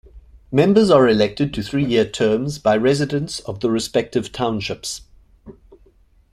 Members are elected to three-year terms by residents of the respective townships.